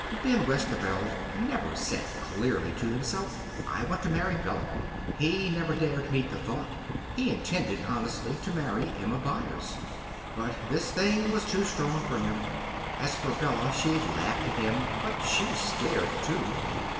Ben Westerveld never said clearly to himself, "I want to marry Bella." He never dared meet the thought. He intended honestly to marry Emma Byers. But this thing was too strong for him. As for Bella, she laughed at him, but she was scared, too.